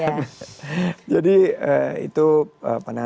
jadi itu penandaan sama sama kita di pembelajaran